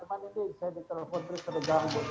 teman itu saya di telepon terus terganggu saya